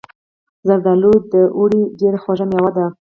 زردالو د اوړي ډیره خوږه میوه ده.